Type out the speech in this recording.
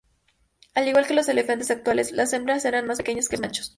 Al igual que los elefantes actuales, las hembras eran más pequeñas que los machos.